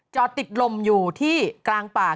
จอดติดลมอยู่ที่กลางป่า